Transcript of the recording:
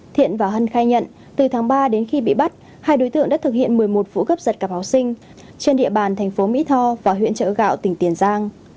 thiện và hân khai nhận từ tháng ba đến khi bị bắt hai đối tượng đã thực hiện một mươi một vụ cướp giật cặp máu sinh trên địa bàn thành phố mỹ tho và huyện trợ gạo tỉnh tiền giang